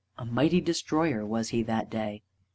A mighty destroyer was he that day.